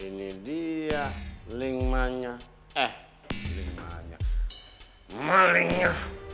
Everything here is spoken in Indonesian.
ini dia lingmanya eh malingnya